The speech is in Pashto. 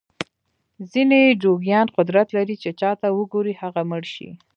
ځینې جوګیان قدرت لري چې چاته وګوري هغه مړ شي.